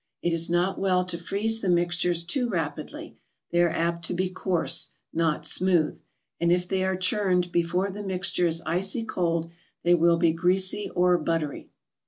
It is not well to freeze the mixtures too rapidly; they are apt to be coarse, not smooth, and if they are churned before the mixture is icy cold they will be greasy or "buttery."